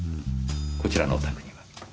こちらのお宅には？